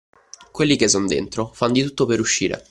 Quelli che son dentro, fan di tutto per uscire .